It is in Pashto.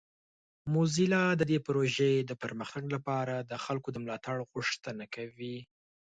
موزیلا د دې پروژې د پرمختګ لپاره د خلکو د ملاتړ غوښتنه کوي.